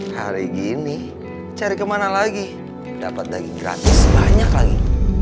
hari gini cari kemana lagi dapat daging gratis banyak lagi